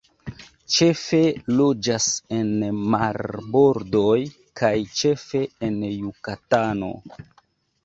Ĉefe loĝas en marbordoj kaj ĉefe en Jukatano.